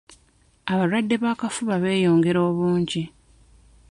Abalwadde b'akafuba beeyongera obungi.